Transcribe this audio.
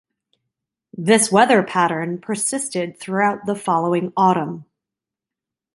This weather pattern persisted throughout the following autumn.